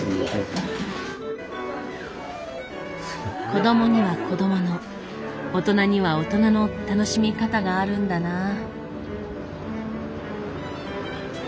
子どもには子どもの大人には大人の楽しみ方があるんだなぁ。